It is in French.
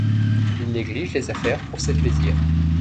Il néglige les affaires pour ses plaisirs.